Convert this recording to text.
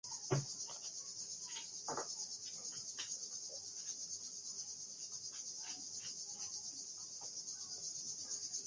তিনি ব্যক্তিগত শিক্ষক এবং পণ্ডিতদের দ্বারা শিক্ষিত হয়েছিলেন, এবং বিবাহ করতে অস্বীকার করেন, তার সমগ্র জীবন একা থাকার সিদ্ধান্ত নেন।